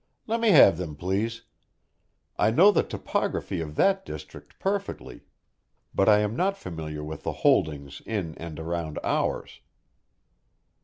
"Let me have them, please. I know the topography of that district perfectly, but I am not familiar with the holdings in and around ours."